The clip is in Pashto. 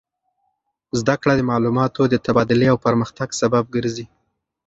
زده کړه د معلوماتو د تبادلې او پرمختګ سبب ګرځي.